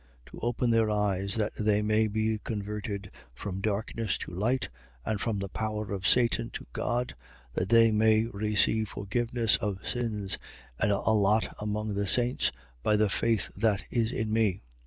To open their eyes, that they may be converted from darkness to light and from the power of Satan to God, that they may receive forgiveness of sins and a lot among the saints, by the faith that is in me.